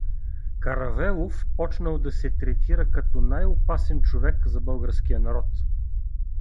Каравелов почнал да се третира като най-опасен човек за българския народ.